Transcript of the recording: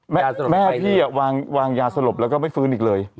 แม่พี่วางยาสลบแล้วก็ไม่ฟื้นอีกเลย